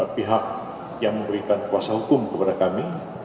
pihak yang memberikan kuasa hukum kepada kami